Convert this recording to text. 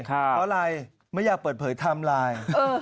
เพราะอะไรไม่อยากเปิดเผยไทม์ไลน์